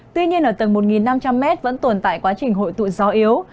tuy nhiên ở tầng một năm trăm linh m vẫn tồn tại quá trình hội tụ gió yếu